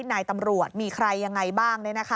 นายตำรวจมีใครยังไงบ้าง